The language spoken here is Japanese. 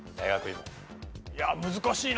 いや難しいな。